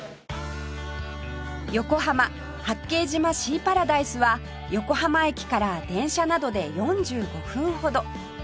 横浜・八景島シーパラダイスは横浜駅から電車などで４５分ほど